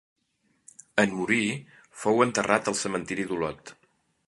En morir, fou enterrat al Cementiri d'Olot.